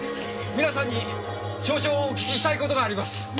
皆さんに少々お聞きしたい事があります。